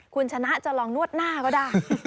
คุณชนะจะลองนวดหน้าก็ได้